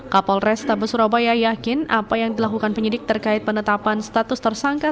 kapol restabes surabaya yakin apa yang dilakukan penyidik terkait penetapan status tersangka